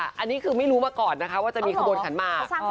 อันนี้คือไม่รู้มาก่อนนะคะว่าจะมีขบวนขันหมาก